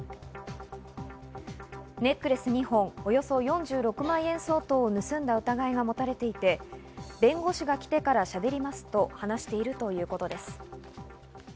ネックレス２本、およそ４６万円相当を盗んだ疑いが持たれていて、弁護士が来てからしゃべりますと話しているということです。